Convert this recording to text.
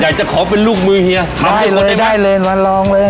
อยากจะขอเป็นลูกมือเฮียได้เลยได้เลยเราลองเลย